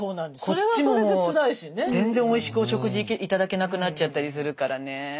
こっちも全然おいしくお食事頂けなくなっちゃったりするからね。